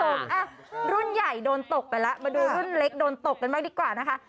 อ่ะรุ่นใหญ่โดนตกไปแล้วมาดูรุ่นเล็กโดนตกกันบ้างดีกว่านะคะ